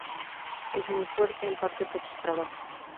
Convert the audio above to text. Es muy fuerte, en parte por su trabajo.